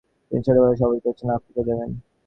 তিনি ছোটবেলায় শপথ করেছিলেন আফ্রিকায় যাবেন।